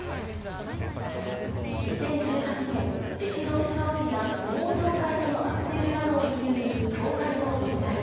２０１８年、弟子の不祥事や相撲協会とのあつれきなどを理由に、協会を引退。